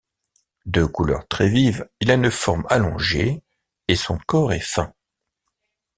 De couleurs très vives, il a une forme allongée et son corps est fin.